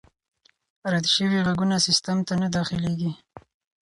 رد شوي ږغونه سیسټم ته نه داخلیږي.